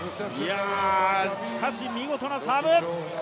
しかし見事なサーブ。